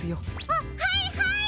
あっはいはい！